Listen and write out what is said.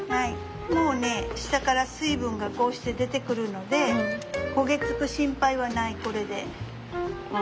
もうね下から水分がこうして出てくるので焦げ付く心配はないこれで。